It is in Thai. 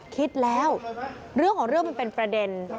คิดแล้วเรื่องของเรื่องมันเป็นประเด็น